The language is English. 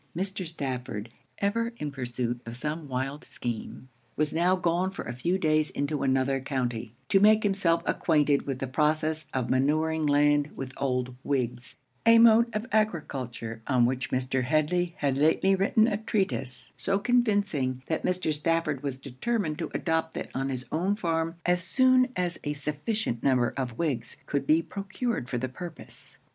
Mr. Stafford, ever in pursuit of some wild scheme, was now gone for a few days into another county, to make himself acquainted with the process of manuring land with old wigs a mode of agriculture on which Mr. Headly had lately written a treatise so convincing, that Mr. Stafford was determined to adopt it on his own farm as soon as a sufficient number of wigs could be procured for the purpose.